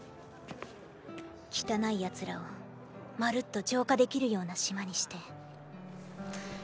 汚い奴らをまるっと浄化できるような島にして。